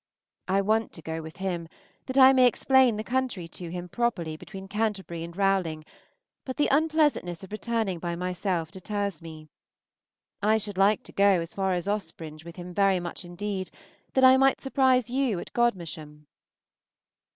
I want to go with him, that I may explain the country to him properly between Canterbury and Rowling, but the unpleasantness of returning by myself deters me. I should like to go as far as Ospringe with him very much indeed, that I might surprise you at Godmersham.